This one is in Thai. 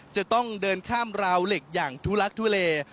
จะต้องเดินข้ามราวเหล็กอย่างทุลักทุเล